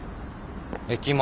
駅前。